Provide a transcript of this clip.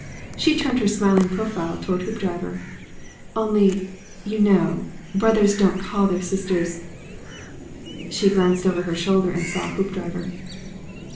She turned her smiling profile towards Hoopdriver. "Only, you know, brothers don't call their sisters " She glanced over her shoulder and saw Hoopdriver.